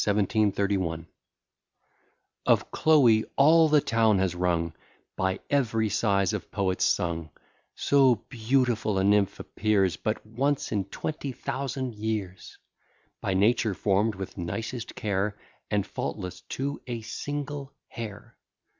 E. B_.] STREPHON AND CHLOE 1731 Of Chloe all the town has rung, By ev'ry size of poets sung: So beautiful a nymph appears But once in twenty thousand years; By Nature form'd with nicest care, And faultless to a single hair.